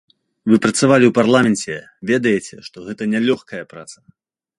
Вы працавалі ў парламенце, ведаеце, што гэта нялёгкая праца.